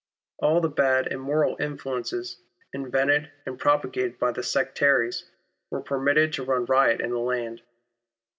All the bad, immoral influences, invented and propagated by the sectaries, were permitted to run riot in the land.